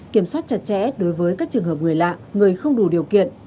kiểm soát chặt chẽ đối với các trường hợp người lạ người không đủ điều kiện